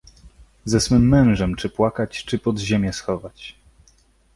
Ze swym mężem, czy płakać, czy pod ziemię schować.